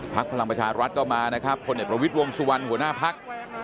พลังประชารัฐก็มานะครับคนเอกประวิทย์วงสุวรรณหัวหน้าพัก